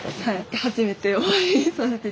初めてお会いさせて頂いた。